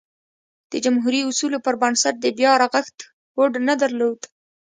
د جمهوري اصولو پربنسټ د بیا رغښت هوډ نه درلود.